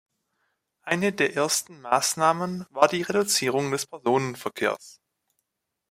Eine der ersten Maßnahmen war die Reduzierung des Personenverkehrs.